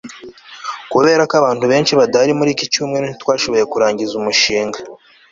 Kubera ko abantu benshi badahari muri iki cyumweru ntitwashoboye kurangiza umushinga